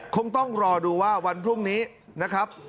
คงต้องรอดูว่าวันพรุ่งนี้นะครับ